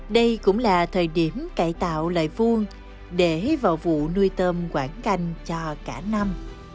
đây cũng là thời điểm cải tạo lại vuông để vào vụ nuôi tôm quảng canh cho cả năm